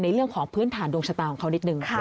เรื่องของพื้นฐานดวงชะตาของเขานิดนึง